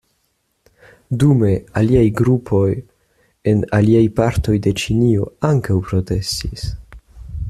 Dume aliaj grupoj en aliaj partoj de Ĉinio ankaŭ protestis.